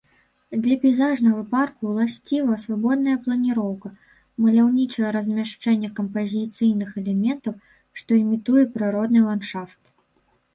Для пейзажнага парку ўласціва свабодная планіроўка, маляўнічае размяшчэнне кампазіцыйных элементаў, што імітуе прыродны ландшафт.